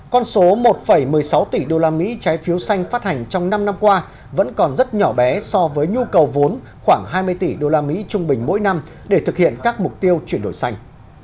con số một một mươi sáu tỷ usd trái phiếu xanh phát hành trong năm năm qua vẫn còn rất nhỏ bé so với nhu cầu vốn khoảng hai mươi tỷ usd trung bình mỗi năm để thực hiện các mục tiêu chuyển đổi xanh